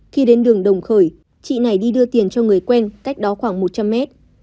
khi đến đường đồng khởi chị này đi đưa tiền cho người quen cách đó khoảng một trăm linh mét